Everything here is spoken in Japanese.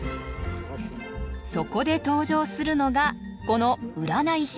そこで登場するのがこの占い表。